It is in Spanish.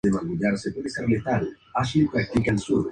La ojiva falló y no explotó.